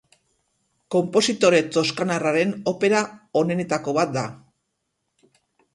Konpositore toskanarraren opera onenetako bat da.